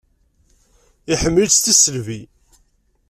Iḥemmel-itt s tisselbi.